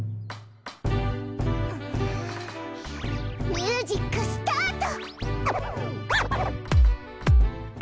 ミュージックスタート！